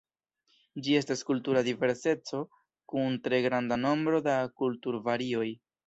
Ĝi estas kultura diverseco kun tre granda nombro da kulturvarioj.